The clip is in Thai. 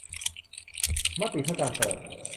มติเพื่อการเปิด